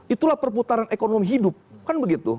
itulah perputaran ekonomi hidup kan begitu